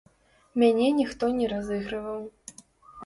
Мяне ніхто не разыгрываў.